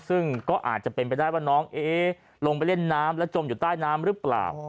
ซึ่งก็อาจจะเป็นไปได้ว่าน้องลงไปเล่นน้ำแล้วจมอยู่ใต้น้ำหรือเปล่า